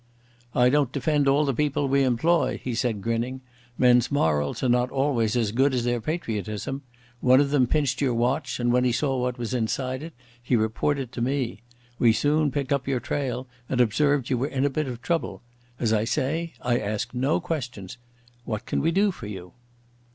"I don't defend all the people we employ," he said, grinning. "Men's morals are not always as good as their patriotism. One of them pinched your watch, and when he saw what was inside it he reported to me. We soon picked up your trail, and observed you were in a bit of trouble. As I say, I ask no questions. What can we do for you?"